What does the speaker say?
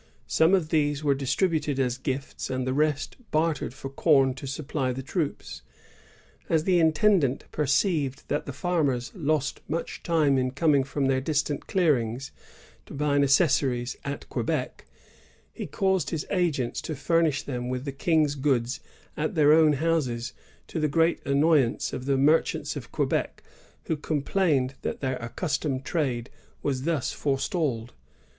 Some of these were distributed as gifts, and the rest bartered for com to supply the troops. As the intendant perceived that the farmers lost much time in coming from their distant clearings to buy neces saries at Quebec, he caused his agents to furnish them with the King's goods at their own houses, — to the great annoyance of the merchants of Quebec, who complained that their accustomed trade was thus forestalled.